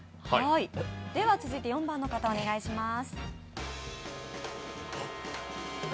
では、続いて４番の方、お願いします。